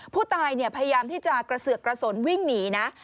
พยายามที่จะกระเสือกกระสนวิ่งหนีนะ